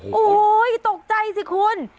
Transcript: โอ้โหตกใจสิคุณ